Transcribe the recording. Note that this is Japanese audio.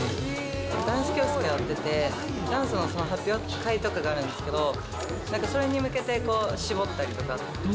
ダンス教室通っててダンスの発表会とかがあるんですけど、なんかどんな方法なんですか。